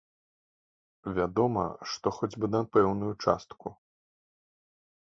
Вядома, што хоць бы на пэўную частку.